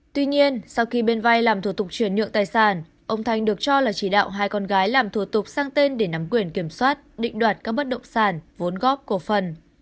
tuy nhiên sau khi bên vai làm thủ tục chuyển nhượng tài sản ông thanh được cho là chỉ đạo hai con gái làm thủ tục sang tên để nắm quyền kiểm soát định đoạt các bất động sản vốn góp cổ phần